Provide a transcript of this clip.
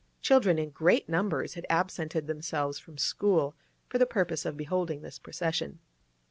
Children in great numbers had absented themselves from school for the purpose of beholding this procession.